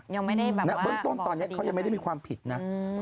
เบื้องต้นตอนแน็ตเขายังไม่ได้มีความผิดนะ